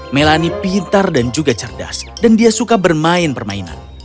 melani pintar dan juga cerdas dan dia suka bermain permainan